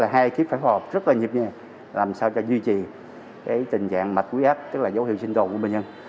hay khi phải hồi rất là nhịp nhàng làm sao cho duy trì tình trạng mạch quý ác tức là dấu hiệu sinh tồn của bệnh nhân